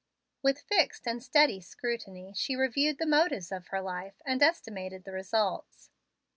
With fixed and steady scrutiny she reviewed the motives of her life, and estimated the results.